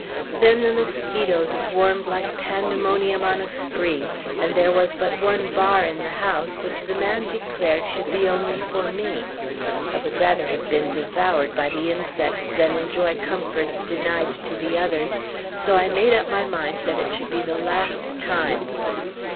Then the mosquitoes swarmed like pandemonium on a spree, and there was but one bar in the house, which the man declared should be only for me. I would rather have been devoured by the insects than enjoy comforts denied to the others; so I made up my mind it should be the last time.